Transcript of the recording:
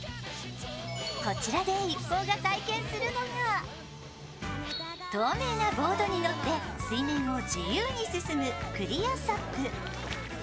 こちらで一行が体験するのが透明なボードに乗って水面を自由に進むクリアＳＵＰ。